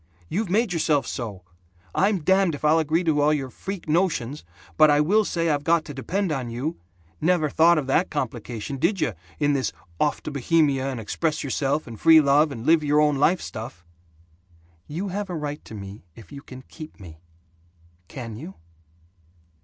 You've made yourself so. I'm damned if I'll agree to all your freak notions, but I will say I've got to depend on you. Never thought of that complication, did you, in this 'off to Bohemia, and express yourself, and free love, and live your own life' stuff!" "You have a right to me if you can keep me. Can you?"